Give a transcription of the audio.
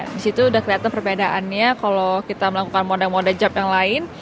di situ sudah kelihatan perbedaannya kalau kita melakukan model model job yang lain